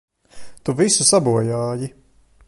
Tu visu sabojāji!